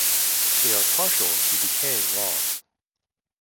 They are partial to decaying logs.